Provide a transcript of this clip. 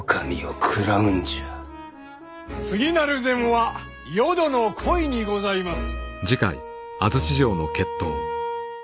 次なる膳は淀の鯉にございます。